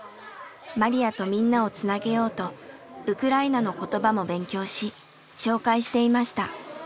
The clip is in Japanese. マリヤとみんなをつなげようとウクライナの言葉も勉強し紹介していました。